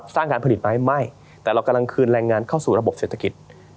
การผลิตไหมไม่แต่เรากำลังคืนแรงงานเข้าสู่ระบบเศรษฐกิจ